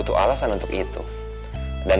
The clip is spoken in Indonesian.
buat kita bertiga dong